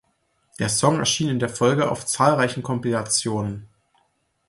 Der Song erschien in der Folge auf zahlreichen Kompilationen.